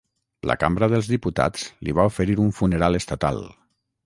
La Cambra dels Diputats li va oferir un funeral estatal.